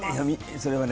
それはね